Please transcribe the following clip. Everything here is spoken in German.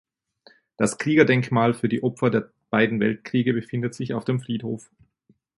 Das Kriegerdenkmal für die Opfer der beiden Weltkriege befindet sich auf dem Friedhof.